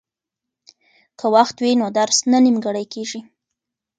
که وخت وي نو درس نه نیمګړی کیږي.